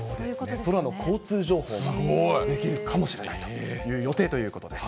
空の交通情報ができるかもしれないという予定ということです。